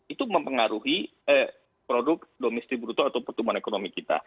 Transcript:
itu mempengaruhi produk domestik bruto atau pertumbuhan ekonomi kita